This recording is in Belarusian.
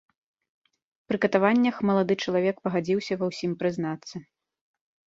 Пры катаваннях малады чалавек пагадзіўся ва ўсім прызнацца.